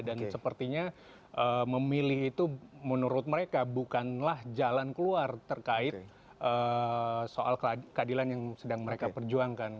dan sepertinya memilih itu menurut mereka bukanlah jalan keluar terkait soal keadilan yang sedang mereka perjuangkan